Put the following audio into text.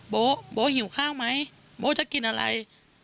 โบโบ๊หิวข้าวไหมโบ๊จะกินอะไร